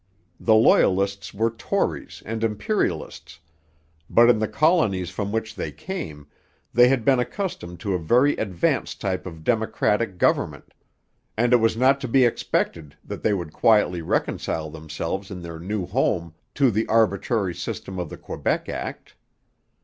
The Loyalists were Tories and Imperialists; but, in the colonies from which they came, they had been accustomed to a very advanced type of democratic government, and it was not to be expected that they would quietly reconcile themselves in their new home to the arbitrary system of the Quebec Act.